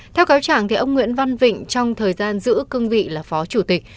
theo cáo chẳng ông nguyễn văn vịnh trong thời gian giữ cương vị là phó chủ tịch